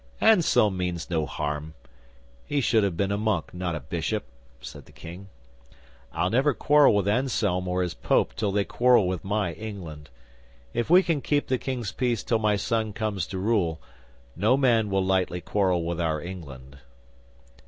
'"Anselm means no harm. He should have been a monk, not a bishop," said the King. "I'll never quarrel with Anselm or his Pope till they quarrel with my England. If we can keep the King's peace till my son comes to rule, no man will lightly quarrel with our England."